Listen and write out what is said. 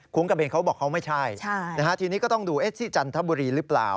คุ้งกระเบนเขับอกเขาไม่ใช่นะครับทีนี้ก็ต้องดูสิจันทบุรีหรือเปล่า